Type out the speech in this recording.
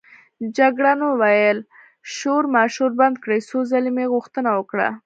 جګړن وویل: شورماشور بند کړئ، څو ځلې مې غوښتنه وکړه.